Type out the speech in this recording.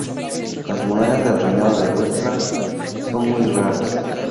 Las monedas del reinado de Wiglaf son muy raras.